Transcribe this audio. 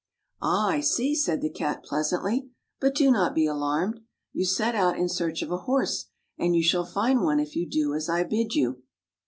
" Ah, I see," said the Cat pleasantly. " But do not be alarmed. You set out in search of a horse, and you shall find one if you do as I bid you."